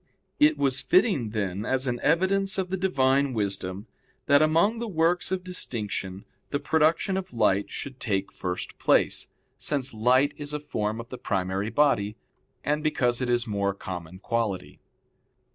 It was fitting, then, as an evidence of the Divine wisdom, that among the works of distinction the production of light should take first place, since light is a form of the primary body, and because it is more common quality.